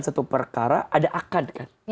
satu perkara ada akan